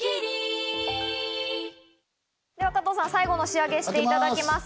では加藤さん、最後の仕上げをしていただきます。